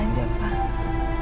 aku ngerasa bersalah aja pak